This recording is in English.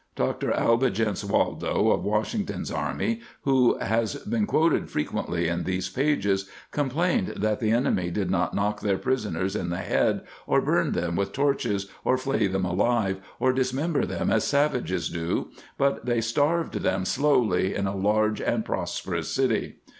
Dr. Albigence Waldo, of Wash ington's army, who has been quoted frequently in these pages, complained that the enemy did not knock their prisoners in the head, or burn them with torches, or flay them alive, or dismember them as savages do, but they starved them slowly in a large and prosperous city.